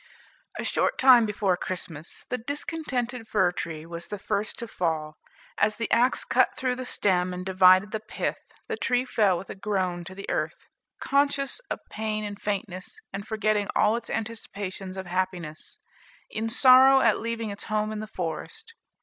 A short time before Christmas, the discontented fir tree was the first to fall. As the axe cut through the stem, and divided the pith, the tree fell with a groan to the earth, conscious of pain and faintness, and forgetting all its anticipations of happiness, in sorrow at leaving its home in the forest.